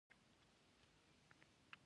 له افغانانو سره یې یو ځای ژوند کړی.